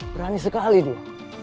berani sekali dia